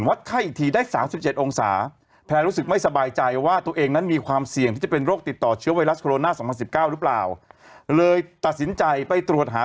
วัดไข้อีกทีได้๓๗องศา